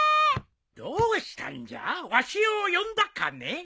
どうしたんじゃわしを呼んだかね？